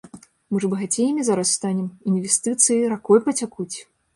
Мы ж багацеямі зараз станем, інвестыцыі ракой пацякуць.